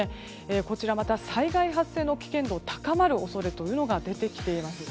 こちらはまた災害発生の危険度が高まる恐れが出てきています。